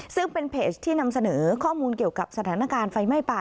ซึ่งเป็นเพจที่นำเสนอข้อมูลเกี่ยวกับสถานการณ์ไฟไหม้ป่า